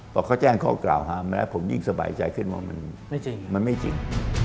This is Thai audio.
พอเขาแจ้งข้อกล่าวหามาแล้วผมยิ่งสบายใจขึ้นว่ามันไม่จริง